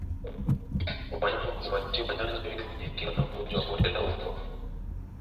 Wanyama wapatiwe chanjo ili kujikinga na ugonjwa wa bonde la ufa